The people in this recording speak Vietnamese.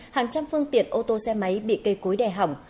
hàng trăm phương tiện ô tô xe máy bị cây cối đè hỏng